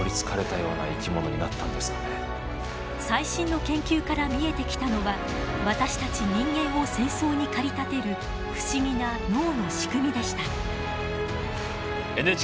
最新の研究から見えてきたのは私たち人間を戦争に駆り立てる不思議な脳の仕組みでした。